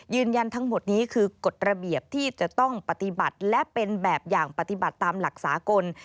ยืนยันทั้งหมดนี้คือกฎระเบียบที่จะต้องปฏิบัติและเป็นแบบอย่างปฏิบัติตามหลักสากล